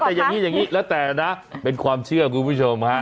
แต่อย่างนี้อย่างนี้แล้วแต่นะเป็นความเชื่อคุณผู้ชมฮะ